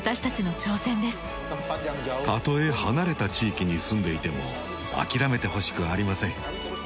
たとえ離れた地域に住んでいても諦めてほしくありません。